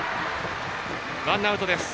ワンアウトです。